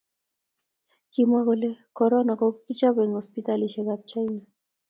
kimwa kole korona ko kikichop eng hosiptalishiek ab china